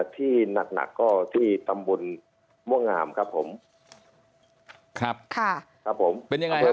ที่หนักหนักก็ที่ตำบลม่วงงามครับผมครับค่ะครับผมเป็นยังไงครับ